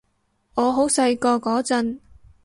我好細個嗰陣